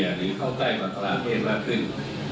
หรือเพราะใต้บาทศิลป์มากขึ้น